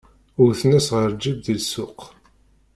Wwten-as ɣer lǧib di ssuq.